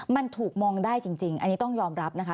มันถูกมองได้จริงอันนี้ต้องยอมรับนะคะ